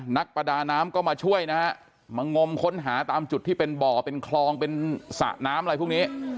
นักประดาน้ำก็มาช่วยนะฮะมางมค้นหาตามจุดที่เป็นบ่อเป็นคลองเป็นสระน้ำอะไรพวกนี้